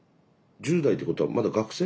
１０代ってことはまだ学生？